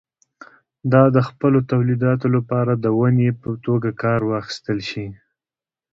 دا د خپلو تولیداتو لپاره د ونې په توګه کار واخیستل شول.